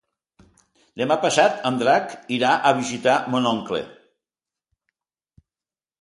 Demà passat en Drac irà a visitar mon oncle.